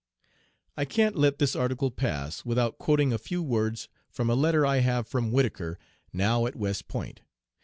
I can't let this article pass without quoting a few words from a letter I have from Whittaker, now at West Point.